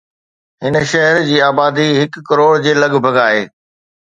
هن شهر جي آبادي هڪ ڪروڙ جي لڳ ڀڳ آهي